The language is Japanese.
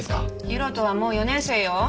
大翔はもう４年生よ。